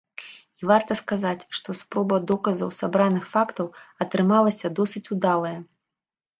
І, варта сказаць, што спроба доказаў сабраных фактаў атрымалася досыць удалая.